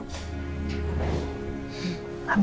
semoga mereka bisa cepat ditemuin ya bu